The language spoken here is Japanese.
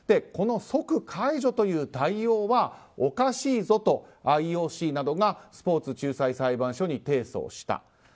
この即解除という対応はおかしいぞとＩＯＣなどがスポーツ仲裁裁判所に提訴をした。